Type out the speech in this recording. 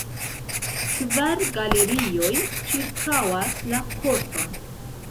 Kvar galerioj ĉirkaŭas la korton.